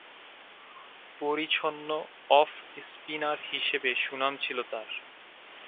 পরিচ্ছন্ন অফ-স্পিনার হিসেবে সুনাম ছিল তার।